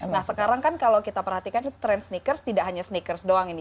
nah sekarang kan kalau kita perhatikan tren sneakers tidak hanya sneakers doang ini